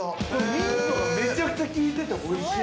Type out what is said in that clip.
◆ミントがめちゃくちゃきいてて、おいしい。